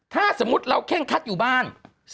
ถ้าสมมุติเราเคร่งคัดอยู่บ้าน